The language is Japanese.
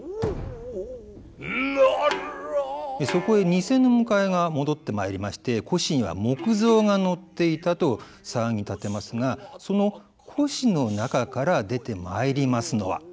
そこへ贋の迎えが戻ってまいりまして輿には木像が乗っていたと騒ぎ立てますがその輿の中から出てまいりますのは。